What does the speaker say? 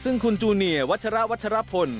ซึ่งคุณจูเนียวัชระวัชรพล